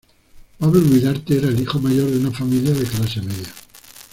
Pablo Vidarte era el hijo mayor de una familia de clase media.